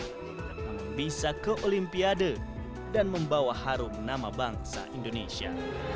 kita bisa ke olimpiade dan membawa harum nama bangsa indonesia